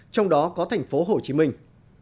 trong đó có thành phố hồ chí minh